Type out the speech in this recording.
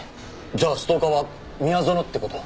じゃあストーカーは宮園って事？